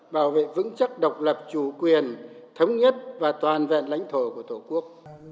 bảo vệ vững chắc độc lập chủ quyền thống nhất và toàn vẹn lãnh thổ của tổ quốc